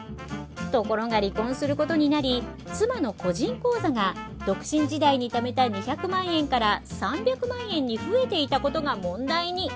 ところが離婚することになり妻の個人口座が独身時代にためた２００万円から３００万円に増えていたことが問題に。